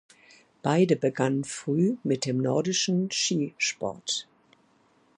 Beide begannen früh mit dem nordischen Skisport.